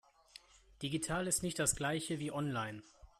Digital ist nicht das Gleiche wie online.